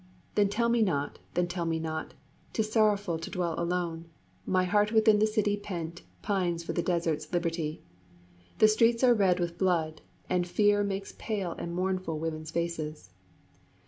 Then tell me not then tell me not 'Tis sorrowful to dwell alone; My heart within the city pent Pines for the desert's liberty; The streets are red with blood, and fear Makes pale and mournful women's faces.